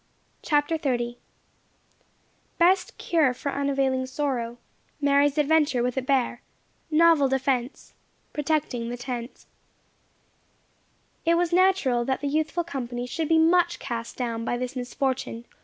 CHAPTER XXX BEST CURE FOR UNAVAILING SORROW MARY'S ADVENTURE WITH A BEAR NOVEL DEFENCE PROTECTING THE TENT It was natural that the youthful company should be much cast down by this misfortune.